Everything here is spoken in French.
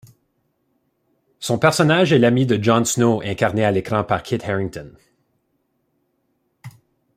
Son personnage est l'ami de Jon Snow incarné à l'écran par Kit Harington.